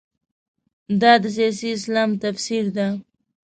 دا د سیاسي اسلام تفسیر ده.